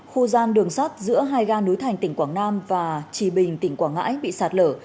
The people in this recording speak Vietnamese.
khu gian đường sắt giữa hai ga núi thành tỉnh quảng nam và trì bình tỉnh quảng ngãi bị sạt lở